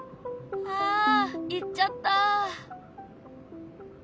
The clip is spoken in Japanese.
あ行っちゃった。